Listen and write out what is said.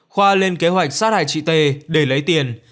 khoa lên kế hoạch sát hại chị t để lấy tiền